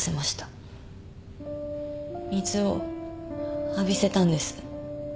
水を浴びせたんです。